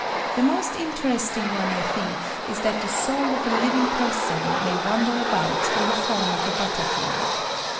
The most interesting one, I think, is that the soul of a living person may wander about in the form of a butterfly.